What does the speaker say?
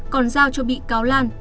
còn giao cho bị cáo lan